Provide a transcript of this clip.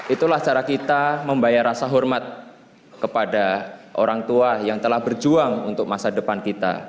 itulah cara kita membayar rasa hormat kepada orang tua yang telah berjuang untuk masa depan kita